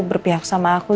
berpihak sama aku